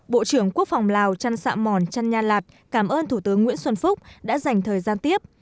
bộ trưởng quốc phòng lào trăn xạ mòn trăn nha lạt cảm ơn thủ tướng nguyễn xuân phúc đã dành thời gian tiếp